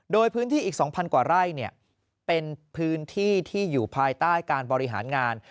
โดยพื้นที่อีก๒๐๐กว่าไร่เป็นพื้นที่ที่อยู่ภายใต้การบริหารงาน